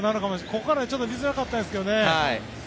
ここからは見づらかったんですけどね。